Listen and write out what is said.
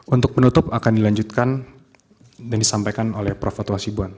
untuk penutup akan dilanjutkan dan disampaikan oleh prof fatwa sibuan